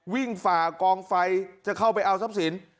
วิ่งฝ่ากองไฟจะเข้าไปเอาซับศิลป์